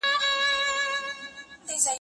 «وۍ ادکۍ مورې! اخ مړ یې کړم!» دې وانهورېدل؟